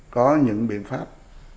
có những biện pháp